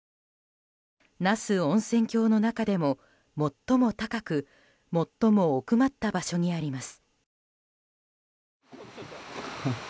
那須温泉郷の中でも、最も高く最も奥まった場所にあります。